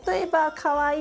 かわいい。